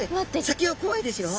先はこわいですよ。